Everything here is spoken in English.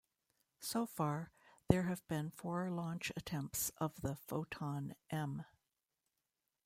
So far, there have been four launch attempts of the Foton-M.